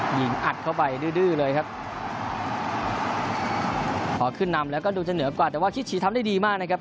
อัดเข้าไปดื้อดื้อเลยครับพอขึ้นนำแล้วก็ดูจะเหนือกว่าแต่ว่าคิดชีทำได้ดีมากนะครับ